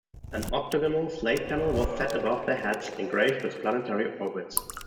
An octagonal slate panel was set above their heads, engraved with planetary orbits.